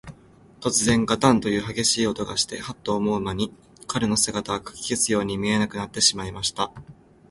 とつぜん、ガタンというはげしい音がして、ハッと思うまに、彼の姿は、かき消すように見えなくなってしまいました。